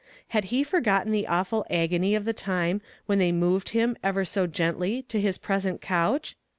Had he forgotten the au ful agony of tlie time when they moved him, ev*.r so gf nily. to liis j)resent couch?